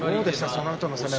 そのあとの攻め。